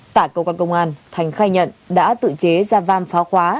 tại cơ quan công an thành khai nhận đã tự chế ra vam phá khóa